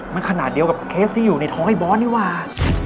มันขนาดเดียวกับเคสที่อยู่ในท้องไอบอสนี่ว่า